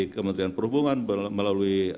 kementerian perhubungan melalui